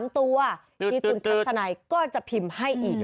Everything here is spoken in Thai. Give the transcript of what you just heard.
๓ตัวที่คุณทัศนัยก็จะพิมพ์ให้อีก